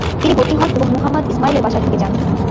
তিনি ভর্তি হন এবং মুহাম্মদ ইসমাইলের বাসায় থেকে যান।